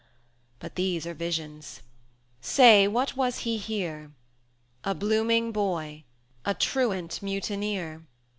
But these are visions; say, what was he here? A blooming boy, a truant mutineer.